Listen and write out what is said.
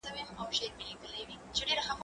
هغه وويل چي خبري ګټوري دي!؟